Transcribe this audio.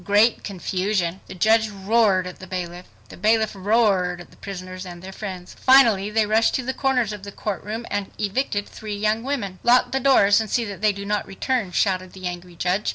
Great Confusion! The judge roared at the bailiff. The bailiff roared at the prisoners and their friends. Finally they rushed to the corners of the courtroom and evicted three young women. "Lock the doors, and see that they do not return," shouted the angry judge.